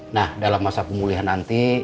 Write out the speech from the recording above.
nah dalam masa pemulihan nanti